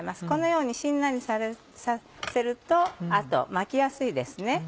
このようにしんなりさせると後巻きやすいですね。